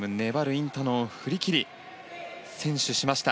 インタノンを振り切り先取しました。